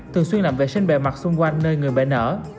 thường xuyên làm vệ sinh bề mặt xung quanh nơi người bệnh nở